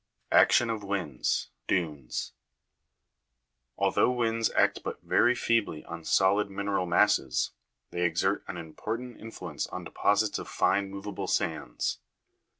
3. Action of winds dunes. Although winds act but very feebly on solid mineral masses, they exert an important influence on deposits of fine movable sands.